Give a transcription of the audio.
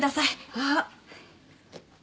あっ。